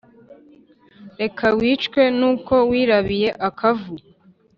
reka wicwe n’uko wirabiye akavu